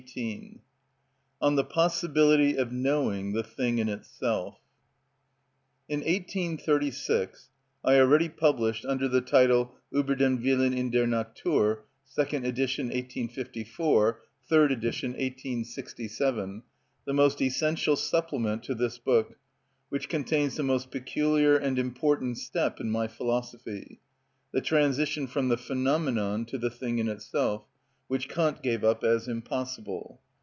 (29) On The Possibility Of Knowing The Thing In Itself. In 1836 I already published, under the title "Ueber den Willen in der Natur" (second ed., 1854; third ed., 1867), the most essential supplement to this book, which contains the most peculiar and important step in my philosophy, the transition from the phenomenon to the thing in itself, which Kant gave up as impossible.